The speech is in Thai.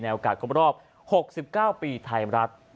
โอกาสครบรอบ๖๙ปีไทยรัฐ